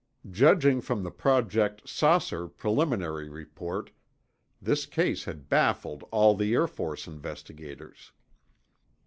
Judging from the Project "Saucer" preliminary report, this case had baffled all the Air Force investigators.